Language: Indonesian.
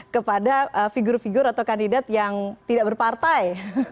kepada figur figur atau kandidat yang tidak berpartai